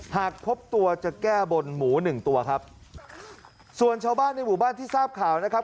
หากพบตัวจะแก้บนหมูหนึ่งตัวครับส่วนชาวบ้านในหมู่บ้านที่ทราบข่าวนะครับ